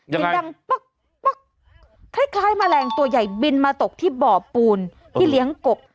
เสียงดังป๊อกป๊อกคล้ายแมลงตัวใหญ่บินมาตกที่บ่อปูนที่เลี้ยงกบ